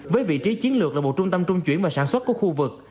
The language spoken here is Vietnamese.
với vị trí chiến lược là một trung tâm trung chuyển và sản xuất của khu vực